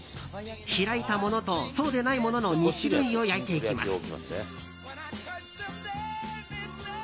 開いたものと、そうでないものの２種類を焼いていきます。